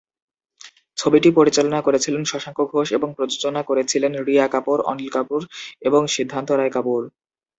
ছবিটি পরিচালনা করেছিলেন শশাঙ্ক ঘোষ এবং প্রযোজনা করেছিলেন রিয়া কাপুর, অনিল কাপুর এবং সিদ্ধার্থ রায় কাপুর।